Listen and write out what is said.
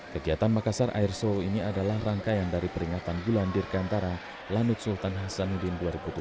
kegiatan makassar airshow ini adalah rangkaian dari peringatan bulan dirgantara lanut sultan hasanuddin dua ribu tujuh belas